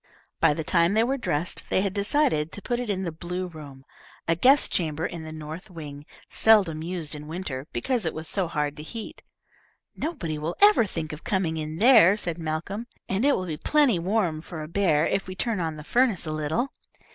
By the time they were dressed, they had decided to put it in the blue room, a guest chamber in the north wing, seldom used in winter, because it was so hard to heat. "Nobody will ever think of coming in here," said Malcolm, "and it will be plenty warm for a bear if we turn on the furnace a little."